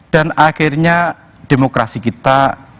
dan akhirnya demokrasi kita